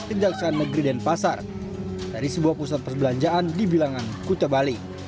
kejaksaan negeri dan pasar dari sebuah pusat perbelanjaan dibilangkan kutabali